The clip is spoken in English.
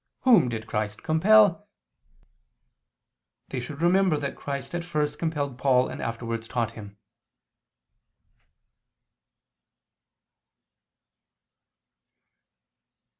Whom did Christ compel?' They should remember that Christ at first compelled Paul and afterwards taught Him."